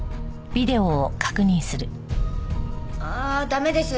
ああ駄目です。